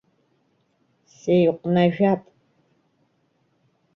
Сеиҟәнажәап.